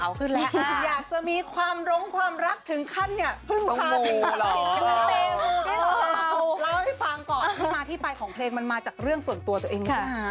เล่าให้ฟังก่อนที่มาที่ไปของเพลงมันมาจากเรื่องส่วนตัวตัวเองจริง